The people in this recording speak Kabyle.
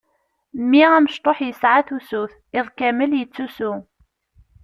Mmi amecṭuḥ yesɛa tusut, iḍ kamel yettusu.